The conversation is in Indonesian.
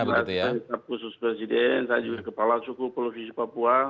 saya tengah khusus presiden saya juga kepala sukup polisi papua